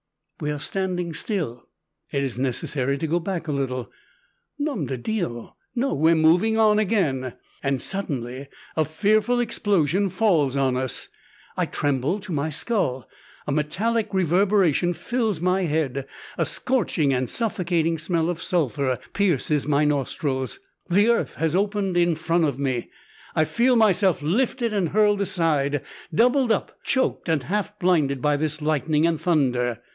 We are standing still. It is necessary to go back a little Nom de Dieu! no, we are moving on again! Suddenly a fearful explosion falls on us. I tremble to my skull; a metallic reverberation fills my head; a scorching and suffocating smell of sulphur pierces my nostrils. The earth has opened in front of me. I feel myself lifted and hurled aside doubled up, choked, and half blinded by this lightning and thunder.